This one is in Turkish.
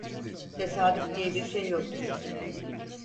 Tesadüf diye bir şey yoktur.